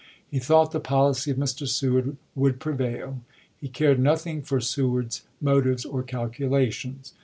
He thought the policy of Mr. Seward would prevail. He cared nothing for Sew ard's motives or calculations.